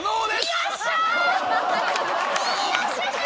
よっしゃー！